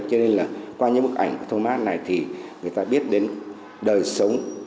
cho nên là qua những bức ảnh của thomas này thì người ta biết đến đời sống